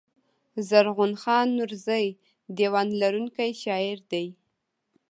زرغون خان نورزى دېوان لرونکی شاعر دﺉ.